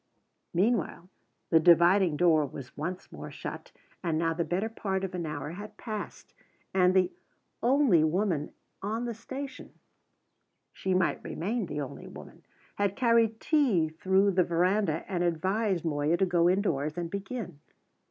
Meanwhile the dividing door was once more shut; and now the better part of an hour had passed; and the only woman on the station (she might remain the only woman) had carried tea through the verandah and advised Moya to go indoors and begin.